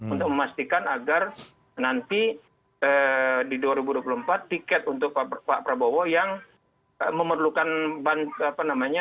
untuk memastikan agar nanti di dua ribu dua puluh empat tiket untuk pak prabowo yang memerlukan apa namanya